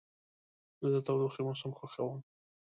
زه د تودوخې موسم خوښوم.